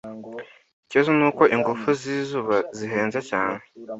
Ikibazo nuko ingufu zizuba zihenze cyane